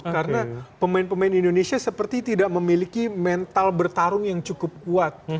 karena pemain pemain indonesia seperti tidak memiliki mental bertarung yang cukup kuat